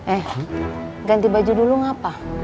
eh ganti baju dulu ngapain